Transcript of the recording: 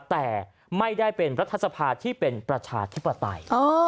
แต่ไม่ได้เป็นรัฐสภาที่เป็นประชาธิปไตย